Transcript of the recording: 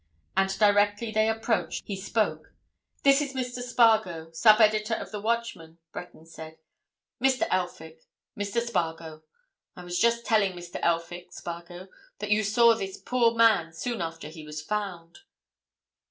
And directly they approached, he spoke. "This is Mr. Spargo, sub editor of the Watchman." Breton said. "Mr. Elphick—Mr. Spargo. I was just telling Mr. Elphick, Spargo, that you saw this poor man soon after he was found."